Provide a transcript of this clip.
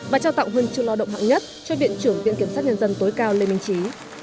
và trao tặng huân chương lo động hạng nhất cho viện trưởng viện kiểm sát nhân dân tối cao lê minh trí